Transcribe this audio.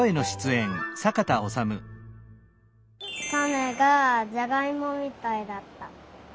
たねがじゃがいもみたいだった。